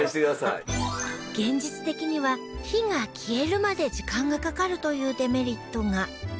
現実的には火が消えるまで時間がかかるというデメリットが